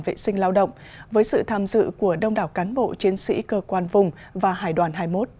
vệ sinh lao động với sự tham dự của đông đảo cán bộ chiến sĩ cơ quan vùng và hải đoàn hai mươi một